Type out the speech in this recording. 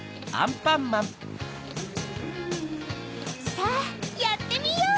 さぁやってみよう！